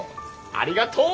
ありがとう！